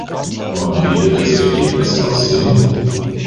Und wie wird das Ergebnis aussehen?